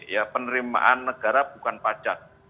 ya penerimaan negara bukan pajak